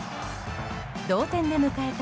同点で迎えた